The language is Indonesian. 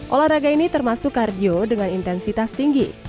olahraga ini termasuk kardio dengan intensitas tinggi